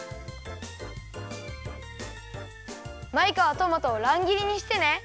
マイカはトマトをらんぎりにしてね。